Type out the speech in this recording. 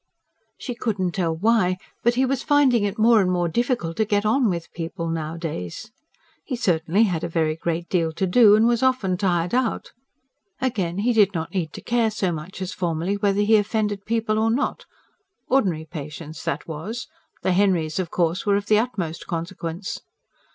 She couldn't tell why, but he was finding it more and more difficult to get on with people nowadays. He certainly had a very great deal to do, and was often tired out. Again, he did not need to care so much as formerly whether he offended people or not ordinary patients, that was; the Henrys, of course, were of the utmost consequence.